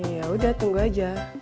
ya udah tunggu aja